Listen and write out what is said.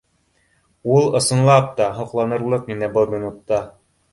Ул, ысынлап та, һоҡланырлыҡ ине был минутта